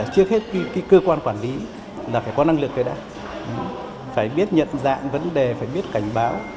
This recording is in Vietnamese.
trước hết cơ quan quản lý phải có năng lực phải biết nhận dạng vấn đề phải biết cảnh báo